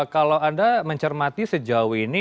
kalau anda mencermati sejauh ini